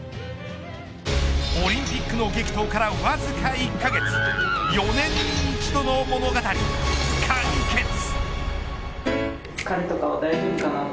オリンピックの激闘からわずか１カ月４年に一度の物語完結。